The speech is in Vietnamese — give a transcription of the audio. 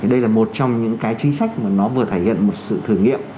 đây là một trong những cái chính sách mà nó vừa thể hiện một sự thử nghiệm